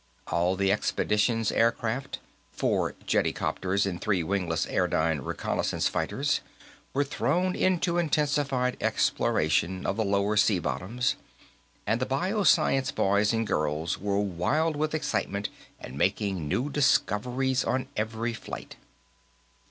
All the expedition's aircraft four jetticopters and three wingless airdyne reconnaissance fighters were thrown into intensified exploration of the lower sea bottoms, and the bio science boys and girls were wild with excitement and making new discoveries on each flight.